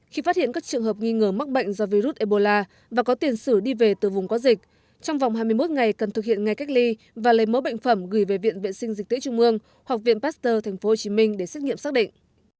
khi phát hiện các trường hợp nghi ngờ mắc bệnh do virus ebola và có tiền sử đi về từ vùng quá dịch trong vòng hai mươi một ngày cần thực hiện ngay cách ly và lấy mẫu bệnh phẩm gửi về viện vệ sinh dịch tễ trung ương hoặc viện pasteur tp hcm để xét nghiệm xác định